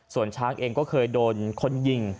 ส่วนช้างเองก็เคยโดนคนยิง